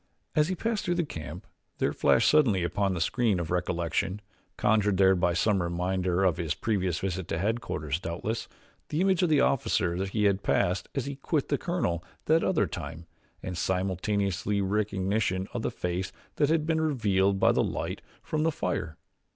As he passed through the camp there flashed suddenly upon the screen of recollection, conjured there by some reminder of his previous visit to headquarters, doubtless, the image of the officer he had passed as he quit the colonel that other time and simultaneously recognition of the face that had been revealed by the light from the fire.